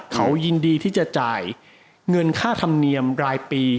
เขายินดีที่จะจ่ายเงินค่าธรรมเนียมรายปี